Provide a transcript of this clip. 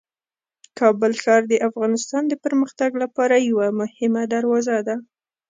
کابل ښار د افغانستان د پرمختګ لپاره یوه مهمه دروازه ده.